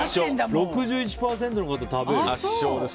６１％の方が食べると。